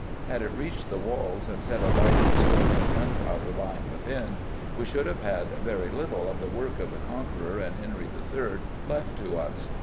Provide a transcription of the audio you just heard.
Had it reached the walls and set alight the stores of gunpowder lying within, we should have had very little of the work of the Conqueror and Henry III. left to us.